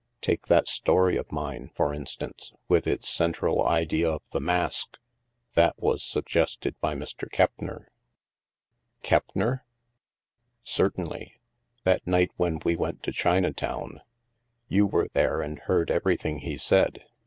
Take that story of mine, for instance, with its cen tral idea of the mask. That was suggested by Mr. Keppner —"" Keppner? ''" Certainly. That night when we went to China town. You were there and heard everything he Baid.